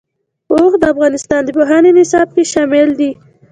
اوښ د افغانستان د پوهنې نصاب کې شامل دي.